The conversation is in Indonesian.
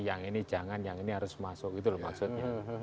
yang ini jangan yang ini harus masuk gitu loh maksudnya